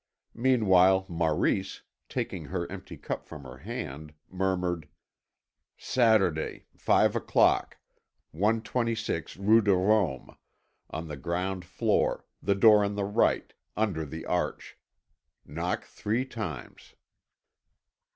Meanwhile Maurice, taking her empty cup from her hand, murmured: "Saturday, five o'clock, 126 Rue de Rome, on the ground floor, the door on the right, under the arch. Knock three times."